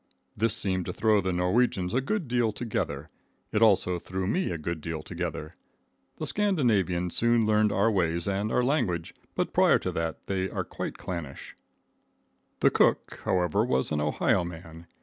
This seemed to throw the Norwegians a good deal together. It also threw me a good deal together. The Scandinavians soon learn our ways and our language, but prior to that they are quite clannish. [Illustration: I TOOK A PIE.] The cook, however, was an Ohio man.